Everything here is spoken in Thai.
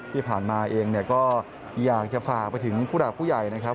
ที่ผ่านมาเองก็อยากจะฝากไปถึงผู้หลักผู้ใหญ่นะครับ